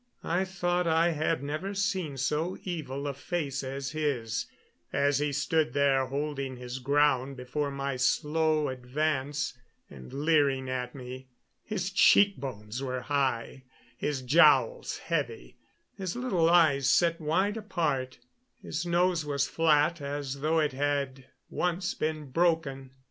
I thought I had never seen so evil a face as his, as he stood there, holding his ground before my slow advance, and leering at me. His cheek bones were high, his jowls heavy, his little eyes set wide apart. His nose was flat, as though it had once been broken.